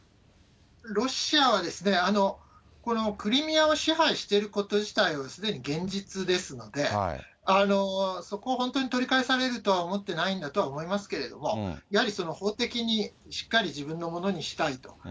ロシアは、このクリミアを支配していることはすでに現実ですので、そこを本当に取り返されるとは思ってないんだとは思うんですけど、やはり法的にしっかり自分のものにしたいと。